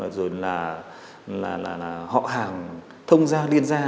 rồi là họ hàng thông gia liên gia